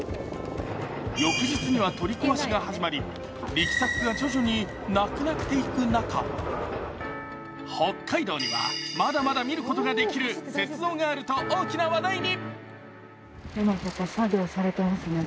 翌日には取り壊しが始まり力作が徐々になくなっていく中北海道には、まだまだ見ることができる雪像があると大きな話題に。